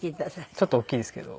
ちょっと大きいですけど。